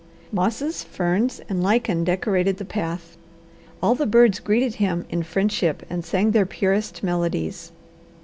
Mosses, ferns, and lichen decorated the path; all the birds greeted him in friendship, and sang their purest melodies.